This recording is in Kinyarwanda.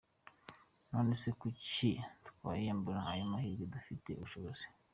None se kuki twakiyambura ayo mahirwe dufitiye ubushobozi?”